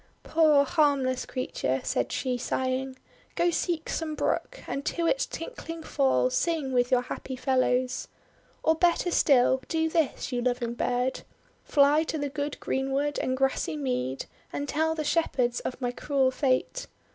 "Poor, harmless creature," said she, sighing, "go seek some brook, and to its tinkling fall sing with your happy fellows. Or better still, do this, you loving bird: fly to the good greenwood and grassy mead, and tell the Shepherds of my cruel fate.